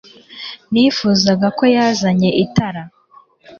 Nifuzaga ko yazanye itara.